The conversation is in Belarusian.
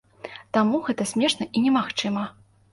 Таму гэта смешна і немагчыма.